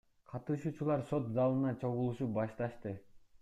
Катышуучулар сот залына чогулуп башташты.